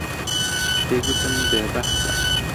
پێی گوتم بێبەختە.